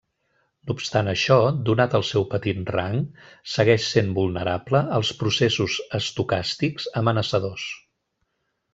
No obstant això, donat el seu petit rang, segueix sent vulnerable als processos estocàstics amenaçadors.